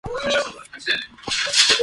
人間社会に溶け込む